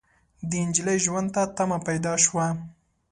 د نجلۍ ژوند ته تمه پيدا شوه.